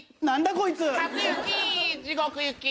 何だ⁉こいつ！